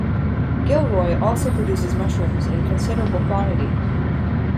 Gilroy also produces mushrooms in considerable quantity.